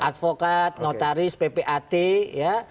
advokat notaris ppat ya